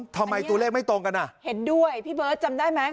ทำไมตัวเลขไม่ตรงกันอ่ะเห็นด้วยพี่เบิร์ตจำได้ไหม